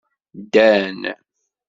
Ddan.